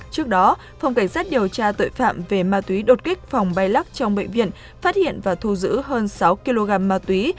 trước đó phòng cảnh sát điều tra tội phạm về ma túy đột kích phòng bay lắc trong bệnh viện phát hiện và thu giữ hơn sáu kg ma túy